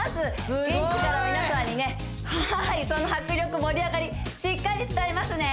現地から皆さんにねすごいその迫力盛り上がりしっかり伝えますね